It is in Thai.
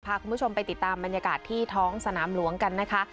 พาคุณผู้ชมไปติดตามบรรยากาศที่ท้องสนามหลวงกันนะคะ